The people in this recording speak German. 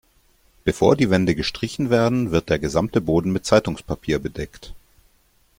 Bevor die Wände gestrichen werden, wird der gesamte Boden mit Zeitungspapier bedeckt.